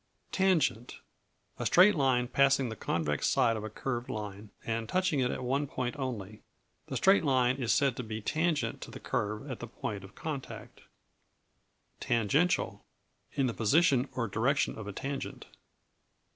Tangent A straight line passing the convex side of a curved line, and touching it at one point only. The straight line is said to be tangent to the curve at the point of contact. Tangential In the position or direction of a tangent.